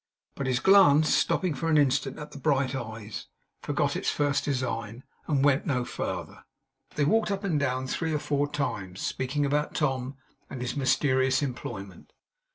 But his glance, stopping for an instant at the bright eyes, forgot its first design, and went no farther. They walked up and down three or four times, speaking about Tom and his mysterious employment.